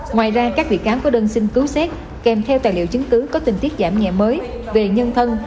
ngoài ra các bị cáo có đơn xin cứu xét kèm theo tài liệu chứng cứ có tình tiết giảm nhẹ mới về nhân thân